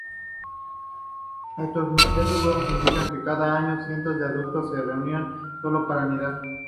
Estos huevos indican que cada año, cientos de adultos se reunían sólo para anidar.